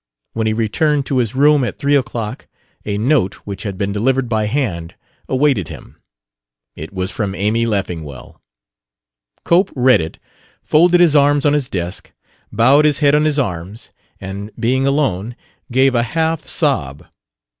When he returned to his room at three o'clock a note, which had been delivered by hand, awaited him. It was from Amy Leffingwell. Cope read it, folded his arms on his desk, bowed his head on his arms, and, being alone, gave a half sob.